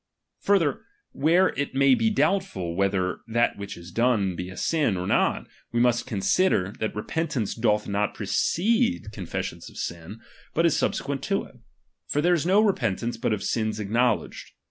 Further, where it may be doubtful whether that which is done be a sin or not, we must consider, that repentance doth not precede confession of sins, but is subsequent to it : for there is no repentance but of sins acknow ledged.